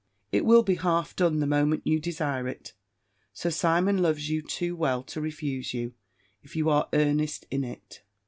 It will be half done the moment you desire it. Sir Simon loves you too well to refuse you, if you are earnest in it.